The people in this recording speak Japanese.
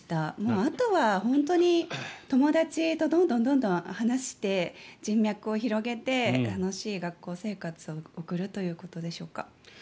あとは、本当に友達とどんどん話して人脈を広げて、楽しい学校生活を送るということでしょうか。